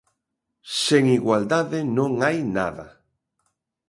Sen igualdade non hai nada.